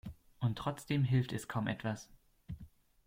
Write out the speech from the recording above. Und trotzdem hilft es kaum etwas.